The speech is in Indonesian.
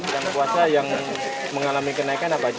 yang kuasa yang mengalami kenaikan apa aja